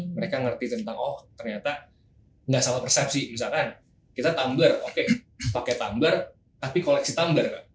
mereka ngerti tentang oh ternyata nggak sama persepsi misalkan kita tumbler oke pakai tumbler tapi koleksi tumbler